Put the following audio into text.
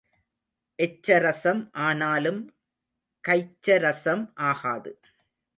எச்சரசம் ஆனாலும் கைச்சரசம் ஆகாது.